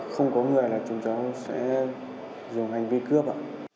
không có người thì chúng tôi sẽ dùng hành vi cướp